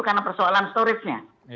karena persoalan storage nya